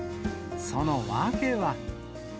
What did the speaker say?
その訳は。